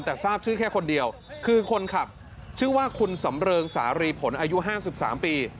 แต่ทราบชื่อแค่คนเดียวคือคนขับชื่อว่าคุณสำเริงสารีผลอายุ๕๓ปี